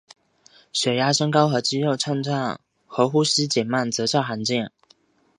血压升高和肌肉震颤和呼吸减慢则较罕见。